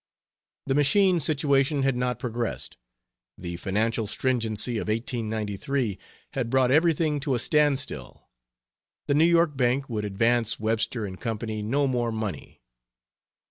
The machine situation had not progressed. The financial stringency of 1893 had brought everything to a standstill. The New York bank would advance Webster & Co. no more money.